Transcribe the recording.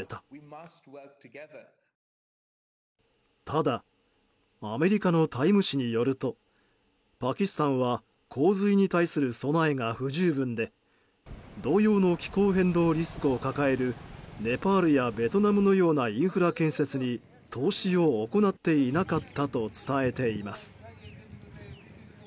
ただ、アメリカの「タイム」誌によるとパキスタンは洪水に対する備えが不十分で同様の気候変動リスクを抱えるネパールやベトナムのようなインフラ建設に投資を行っていなかったと伝えています。